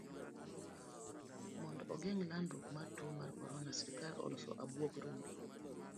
Mondo ogeng' landruok mar tuo mar corona, sirikal oloso abuog rombe.